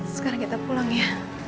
sekarang kita pulang ya